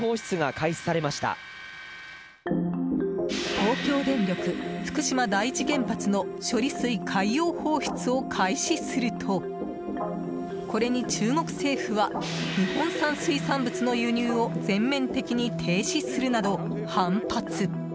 東京電力福島第一原発の処理水海洋放出を開始するとこれに中国政府は日本産水産物の輸入を全面的に停止するなど反発。